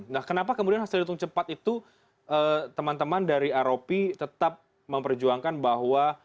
nah kenapa kemudian hasil hitung cepat itu teman teman dari rop tetap memperjuangkan bahwa